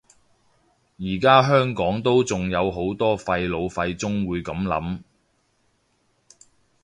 而家香港都仲有好多廢老廢中會噉諗